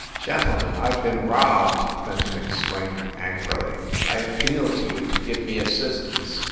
"Gentlemen, I ve been robbed !" Fenton exclaimed angrily. "I appeal to you to give me assistance